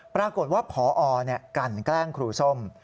ปรากฏว่าพอกันแกล้งครูส้ม